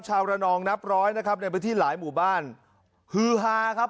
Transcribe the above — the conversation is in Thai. ระนองนับร้อยนะครับในพื้นที่หลายหมู่บ้านฮือฮาครับ